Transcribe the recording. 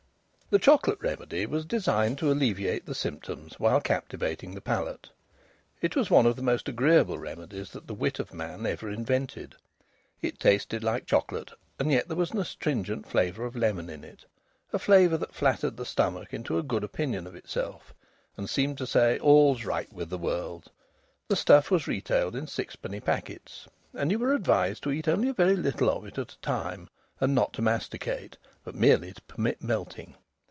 The Chocolate Remedy was designed to alleviate the symptoms while captivating the palate. It was one of the most agreeable remedies that the wit of man ever invented. It tasted like chocolate and yet there was an astringent flavour of lemon in it a flavour that flattered the stomach into a good opinion of itself, and seemed to say, "All's right with the world." The stuff was retailed in sixpenny packets, and you were advised to eat only a very little of it at a time, and not to masticate, but merely to permit melting.